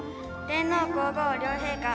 天皇皇后両陛下